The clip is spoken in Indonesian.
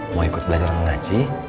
mau ikut belajar ngaji